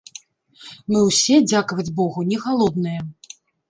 Мы ўсе, дзякаваць богу, не галодныя.